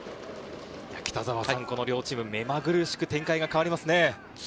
この両チーム、目まぐるしく展開が変わりますね。